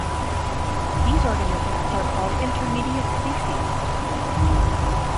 These organisms are called intermediate species.